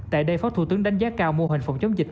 tại đây phó thủ tướng đánh giá cao mô hình phòng chống dịch